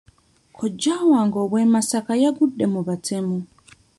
Kojja wange ow'e Masaka yagudde mu batemu.